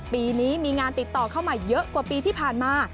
ปีนี้มีงานติดต่อเข้ามาเยอะกว่าปีที่ผ่านมา